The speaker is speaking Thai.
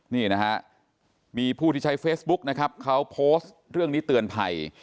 นี่นะฮะมีผู้ที่ใช้เฟซบุ๊กนะครับเขาโพสต์เรื่องนี้เตือนภัย